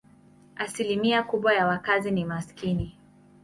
Asilimia kubwa ya wakazi ni maskini.